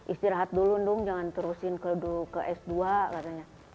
istirahat dulu ndung jangan terusin ke s dua katanya